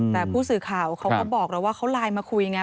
แต่ผู้สื่อข่าวเขาก็บอกแล้วว่าเขาไลน์มาคุยไง